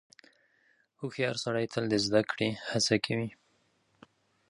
• هوښیار سړی تل د زدهکړې هڅه کوي.